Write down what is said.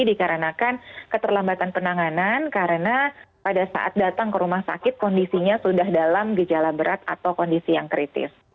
dikarenakan keterlambatan penanganan karena pada saat datang ke rumah sakit kondisinya sudah dalam gejala berat atau kondisi yang kritis